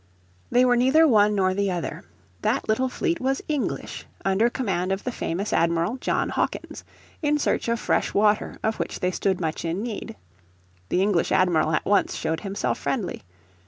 They were neither one nor the other. That little fleet was English, under command of the famous admiral, John Hawkins, in search of fresh water of which they stood much in need. The English Admiral at once showed himself friendly.